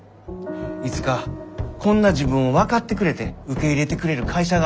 いつかこんな自分を分かってくれて受け入れてくれる会社があるはず。